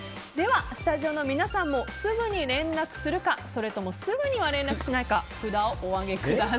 スタジオの皆さんもすぐに連絡するかそれともすぐには連絡しないか札をお上げください。